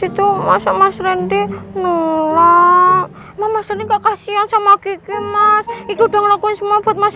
itu masa mas rendy ngelak mama sering kekasian sama gigi mas itu udah ngelakuin semua buat mas